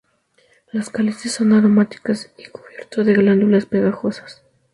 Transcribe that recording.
Los cálices son aromáticas y cubierto de glándulas pegajosas.